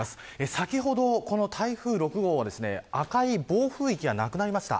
先ほど、台風６号は赤い暴風域がなくなりました。